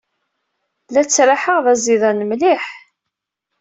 La ttraḥeɣ d aẓidan mliḥ.